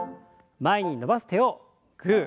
前に伸ばす手をグー。